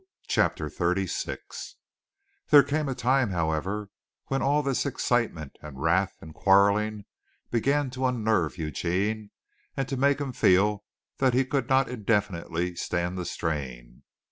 CHAPTER XXXVI There came a time, however, when all this excitement and wrath and quarreling began to unnerve Eugene and to make him feel that he could not indefinitely stand the strain.